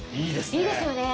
いいですよね